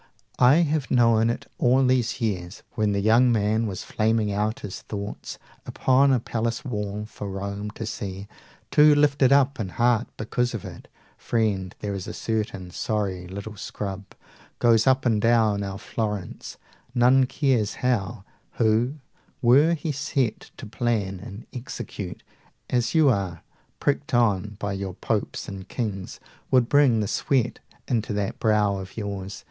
I have known it all these years ... 185 (When the young man was flaming out his thoughts Upon a palace wall for Rome to see, Too lifted up in heart because of it) "Friend, there's a certain sorry little scrub Goes up and down our Florence, none cares how, 190 Who, were he set to plan and execute As you are, pricked on by your popes and kings, Would bring the sweat into that brow of yours!"